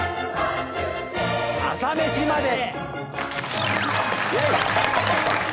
『朝メシまで。』！